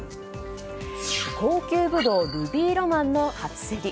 高級ブドウルビーロマンの初競り。